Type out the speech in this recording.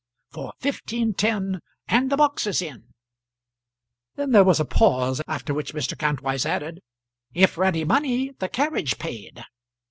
For fifteen ten and the boxes in." Then there was a pause, after which Mr. Kantwise added "If ready money, the carriage paid."